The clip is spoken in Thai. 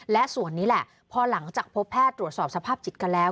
แต่พอหลังจากพบแพทย์ตรวจสอบสภาพจิตกันแล้ว